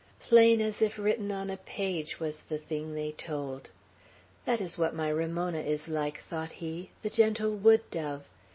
Plain as if written on a page was the thing they told. "That is what my Ramona is like," thought he, "the gentle wood dove.